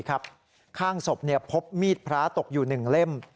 ข้างศพพบมีดพระตกอยู่๑เล่ม